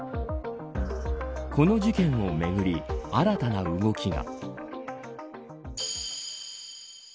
この事件をめぐり新たな動きが。